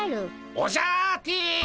オジャアーティ！